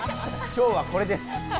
今日はこれです。